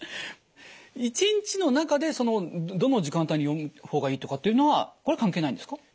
一日の中でどの時間帯に読むほうがいいとかっていうのはこれ関係ないんですか？